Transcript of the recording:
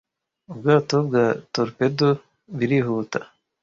Ubwato bwa Torpedo birihuta